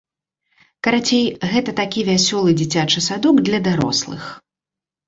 Карацей, гэта такі вясёлы дзіцячы садок для дарослых.